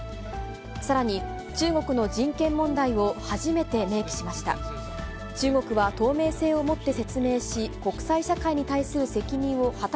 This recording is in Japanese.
さらに、中国の人権問題を初めて明記しました。